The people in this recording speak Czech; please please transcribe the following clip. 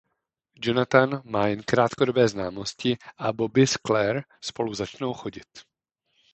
Jonathan má jen krátkodobé známosti a Bobby s Clare spolu začnou chodit.